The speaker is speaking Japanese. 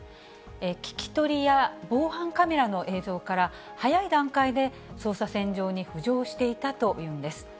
聴き取りや防犯カメラの映像から、早い段階で捜査線上に浮上していたというんです。